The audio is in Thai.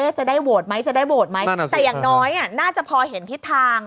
จะได้โหวตไหมจะได้โหวตไหมแต่อย่างน้อยน่าจะพอเห็นทิศทาง